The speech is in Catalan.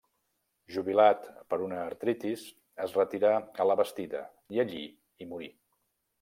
Jubilat per una artritis, es retirà a Labastida, i allí hi morí.